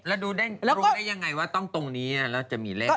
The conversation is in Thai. แล้วดูรู้ได้ยังไงว่าต้องตรงนี้อ่ะแล้วจะมีเลขดูงมา